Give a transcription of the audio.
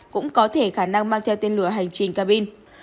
cũng có thể khả năng mang theo tên lửa hành trình cabin